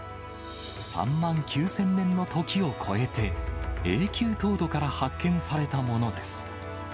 ３万９０００年の時を超えて、永久凍土から発見されたものです。